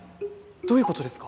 どういう事ですか？